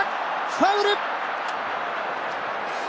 ファウル！